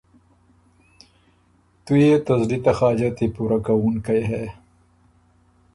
تُو يې ته زلی ته حاجتي پُورۀ کوُونکئ هې۔